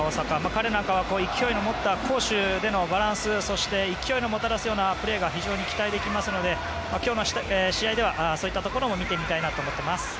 彼なんかは勢いを持った攻守でのバランス勢いをもたらすようなプレーが非常に期待できるので今日の試合ではそういったところも見てみたいと思っています。